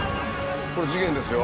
これ事件ですよ。